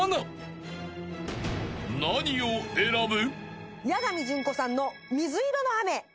［何を選ぶ？］